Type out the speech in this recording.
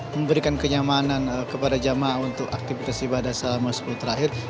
memberikan kenyamanan kepada jamaah untuk aktivitas ibadah selama sepuluh terakhir